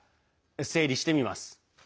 整理してみます。